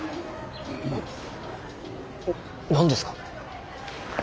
何ですか？